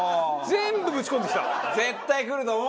全部ぶち込んできた！